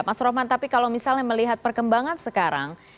mas roman tapi kalau misalnya melihat perkembangan sekarang